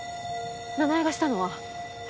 奈々江がしたのは犯罪よ？